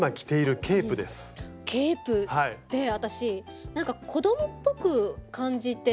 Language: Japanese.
ケープって私なんか子供っぽく感じて。